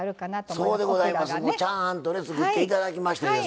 もうちゃんとね作っていただきましてですね